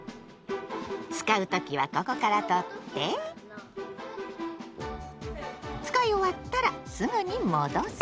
使う時はここから取って使い終わったらすぐに戻す。